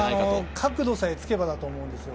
角度さえつけばだと思うんですよ。